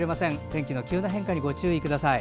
天気の急な変化にご注意ください。